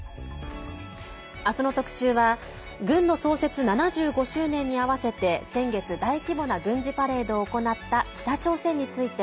明日の特集は、軍の創設７５周年に合わせて先月大規模な軍事パレードを行った北朝鮮について。